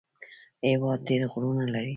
هېواد ډېر غرونه لري